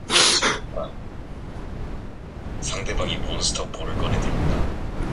뒤따르던 붉은 끈들은 멈칫 서서 그가 나오기를 기다렸다.